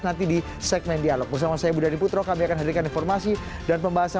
nanti di segmen dialog bersama saya budha diputro kami akan hadirkan informasi dan pembahasan